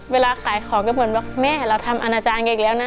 เวลาขายของก็เหมือนว่าแม่เราทำอาณาจารย์แกอีกแล้วนะ